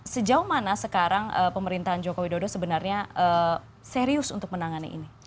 sejauh mana sekarang pemerintahan joko widodo sebenarnya serius untuk menangani ini